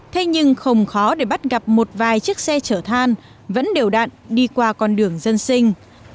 thế nhưng không khó để bắt gặp một vài chiếc xe chở than vẫn đều đạn đi qua con đường dân sinh